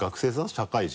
社会人？